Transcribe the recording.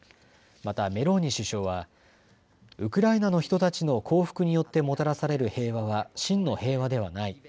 またメローニ首相はウクライナの人たちの降伏によってもたらされる平和は真の平和ではない。